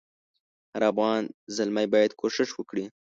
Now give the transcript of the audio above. هر افغان زلمی باید کوښښ وکړي.